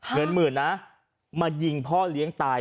เงินหมื่นนะมายิงพ่อเลี้ยงตาย